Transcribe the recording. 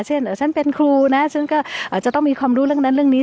เช่นฉันเป็นครูนะฉันก็อาจจะต้องมีความรู้เรื่องนั้นเรื่องนี้